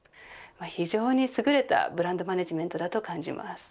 非常に優れたブランドマネジメントだと感じます。